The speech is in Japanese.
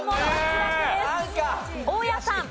大家さん。